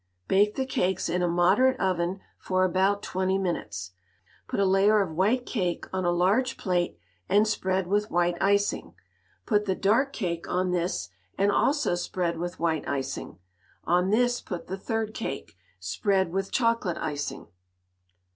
Bake the cakes in a moderate oven for about twenty minutes. Put a layer of white cake on a large plate, and spread with white icing. Put the dark cake on this, and also spread with white icing. On this put the third cake. Spread with chocolate icing.